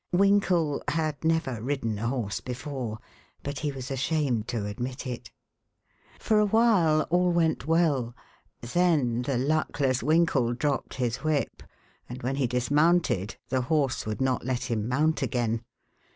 Winkle had never ridden a horse before, but he was ashamed to admit it. For a while all went well; then the luckless Winkle dropped his whip and when he dismounted the horse would not let him mount again.